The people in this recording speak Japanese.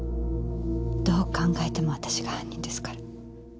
どう考えても私が犯人ですから。